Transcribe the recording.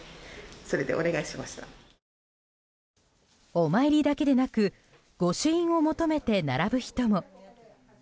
お参りだけでなく御朱印を求めて並ぶ人も。